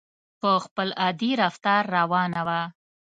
په خپل عادي رفتار روانه وه.